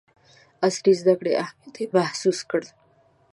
عصري زدکړو اهمیت یې محسوس کړ.